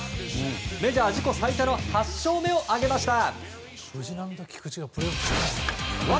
メジャー自己最多の８勝目を挙げました。